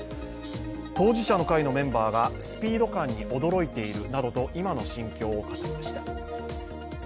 当事者の会のメンバーがスピード感に驚いているなどと今の心境を語りました。